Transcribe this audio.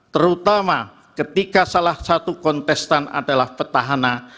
terutama ketika salah satu kontestan adalah petahana